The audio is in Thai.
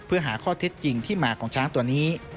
เพื่อหาข้อเท็จจริงที่มาของช้างตัวนี้